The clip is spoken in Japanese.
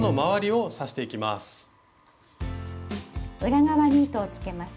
裏側に糸をつけます。